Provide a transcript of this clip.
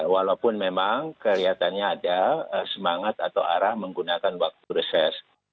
walaupun memang kelihatannya ada semangat atau arah menggunakan waktu reses